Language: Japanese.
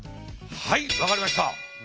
はい分かりました。